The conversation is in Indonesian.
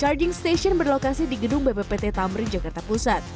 charging station berlokasi di gedung bppt tamrin jakarta pusat